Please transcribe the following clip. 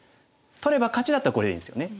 取れば勝ちだったらこれでいいんですよね。